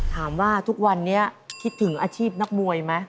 ถามว่าทุกวันนี้คิดถึงอาชีพนักมวยไหม